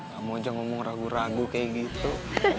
kamu aja ngomong ragu ragu kayak gitu